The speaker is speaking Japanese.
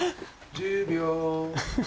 １０秒。